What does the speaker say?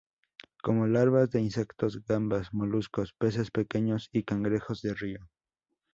Come larvas de insectos, gambas, moluscos, peces pequeños y cangrejos de río.